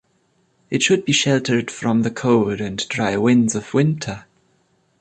It should be sheltered from the cold and dry winds of winter.